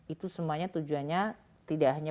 itu semuanya tujuannya tidak hanya